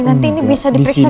nanti ini bisa diperiksa